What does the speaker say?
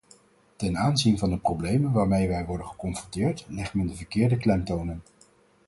Ten aanzien van de problemen waarmee wij worden geconfronteerd legt men de verkeerde klemtonen.